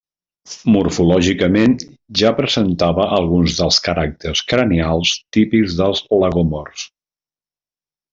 Morfològicament, ja presentava alguns dels caràcters cranials típics dels lagomorfs.